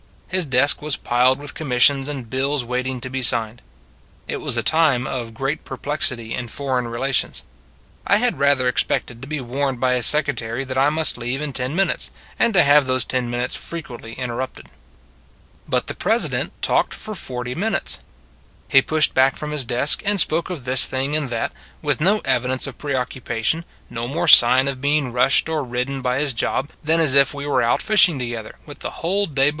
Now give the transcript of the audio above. His desk was piled with commissions and bills waiting to be signed; it was a time of great perplexity in foreign relations. I had rather expected to be warned by his secretary that I must leave in ten minutes, and to have those ten minutes frequently interrupted. But the President talked for forty min utes. He pushed back from his desk and spoke of this thing and that, with no evi dence of preoccupation, no more sign of being rushed or ridden by his job, than as if we were out fishing together, with the whole day before us.